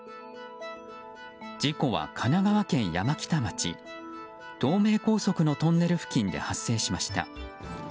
事故は神奈川県山北町東名高速のトンネル付近で発生しました。